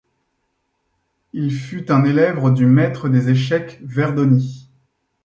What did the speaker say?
Il fut un élève du maître des échecs Verdoni.